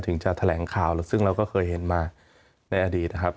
ถึงจะแถลงข่าวซึ่งเราก็เคยเห็นมาในอดีตนะครับ